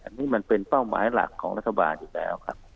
อันนี้มันเป็นเป้าหมายหลักของรัฐบาลอยู่แล้วครับ